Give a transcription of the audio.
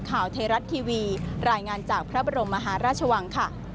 ข่าวไทยรัฐทีวีรายงานจากพระบรมมหาราชวังค่ะ